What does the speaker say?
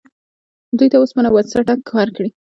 دوی ته وسپنه و څټک ورکړې او توغندي او ډرونونه دې جوړ کړي.